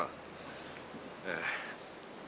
boleh saya coba pak